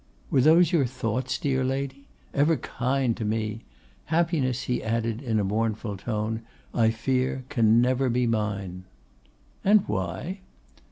'Were those your thoughts, dear lady? Ever kind to me! Happiness,' he added, in a mournful tone, 'I fear can never be mine.' 'And why?